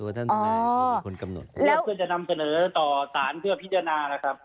ตัวท่านท่านคือคนกำหนดครับแล้วแล้วก็จะนำกำหนดต่อสารเพื่อพิจารณาแหละครับ